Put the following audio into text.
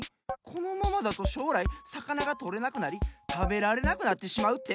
このままだとしょうらいさかながとれなくなりたべられなくなってしまうって。